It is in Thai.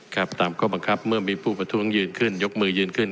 ครับตามข้อบังคับเมื่อมีผู้ประท้วงยืนขึ้นยกมือยืนขึ้น